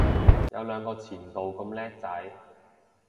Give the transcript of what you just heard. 有兩個前度咁叻仔